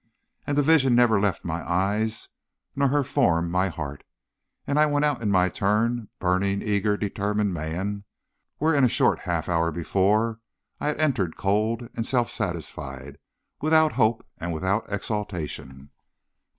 And the vision never left my eyes nor her form my heart, and I went out in my turn, a burning, eager, determined man, where in a short half hour before I had entered cold and self satisfied, without hope and without exaltation.